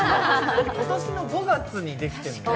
今年の５月にできてるのよね